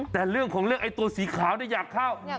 แต่เรื่องของเรื่องไอ้ตัวสีขาวนี่อยากเข้า